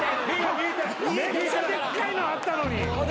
めっちゃでっかいのあったのに。